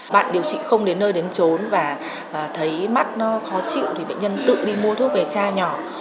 bạn điều trị không đến nơi đến trốn và thấy mắt nó khó chịu thì bệnh nhân tự đi mua thuốc về cha nhỏ